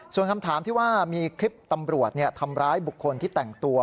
ส่วนคำถามที่ว่ามีคลิปตำรวจทำร้ายบุคคลที่แต่งตัว